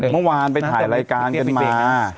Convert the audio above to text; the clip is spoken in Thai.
เมื่อวานไปถ่ายรายการกันมา